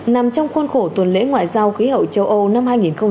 nằm trong khuôn khổ tuần lễ ngoại giao khí hậu châu âu năm hai nghìn một mươi chín